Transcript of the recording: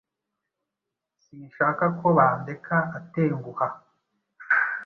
Sinshaka ko Bandeka atenguha.